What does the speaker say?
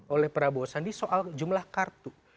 oleh prabowo sandi soal jumlah kartu